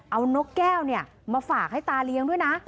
เอานกแก้วมาฝากให้ตาเลี้ยงด้วยนะ